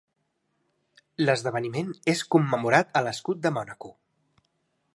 L'esdeveniment és commemorat a l'Escut de Mònaco.